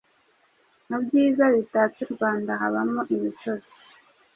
Mu byiza bitatse u Rwanda habamo imisozi,